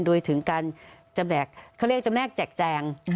โดยถึงการจะแบกเขาเรียกจะแบกแจกแจง